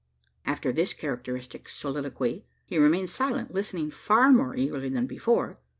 After this characteristic soliloquy, he remains silent listening far more eagerly than before.